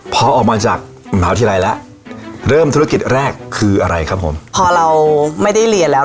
พอออกมาจากมหาวิทยาลัยแล้ว